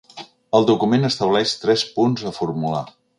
El document estableix tres punts a formular.